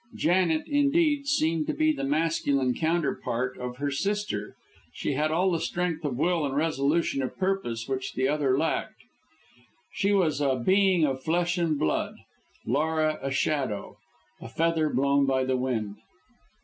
Janet, indeed, seemed to be the masculine counterpart of her sister; she had all the strength of will and resolution of purpose which the other lacked. She was a being of flesh and blood, Laura a shadow, a feather blown by the wind.